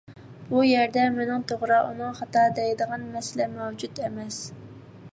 بۇ يەردە مېنىڭ توغرا، ئۇنىڭ خاتا دەيدىغان مەسىلە مەۋجۇت ئەمەس.